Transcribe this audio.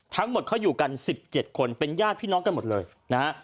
ทั้งหมดเขาอยู่กัน๑๗คนเป็นญาติพี่น้องกันหมดเลยนะฮะ